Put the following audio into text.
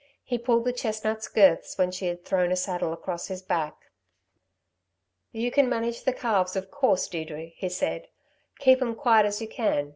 He pulled the chestnut's girths when she had thrown a saddle across his back. "You can manage the calves, of course, Deirdre," he said. "Keep 'm quiet as you can.